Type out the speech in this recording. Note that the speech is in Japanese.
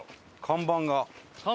看板が。